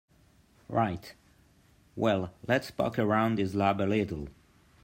Right, well let's poke around his lab a little.